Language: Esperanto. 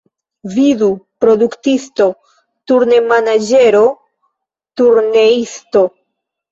Vidu produktisto, turnemanaĝero, turneisto.